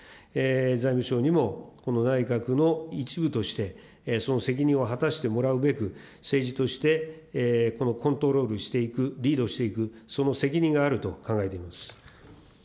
財務省にもこの内閣の一部として、その責任を果たしてもらうべく、政治としてこのコントロールしていく、リードしていく、その責任があると考えています。